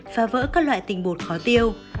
và vỡ các loại tình bột khó tiêu